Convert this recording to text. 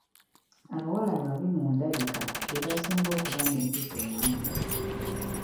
Abawala ababi mu ndabika be basinga okuba n'empisa ennungi.